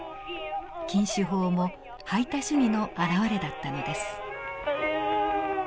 禁酒法も排他主義の表れだったのです。